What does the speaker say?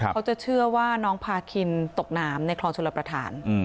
เขาจะเชื่อว่าน้องพากินตกหนามในคลองชุอรภฐาน